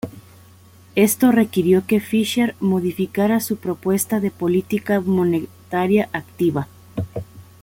Esto requirió que Fisher modificara su propuesta de política monetaria activa.